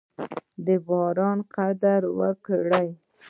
د باران قدر وکړئ.